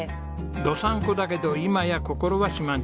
道産子だけど今や心はしまんちゅです。